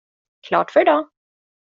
Klart för i dag!